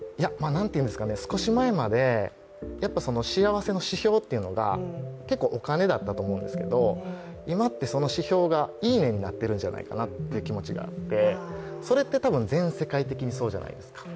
少し前まで、幸せの指標というのが結構お金だったと思うんですが今って、その指標がいいねになってるんじゃないかなという気持ちがあってそれって全世界的にそうじゃないですか。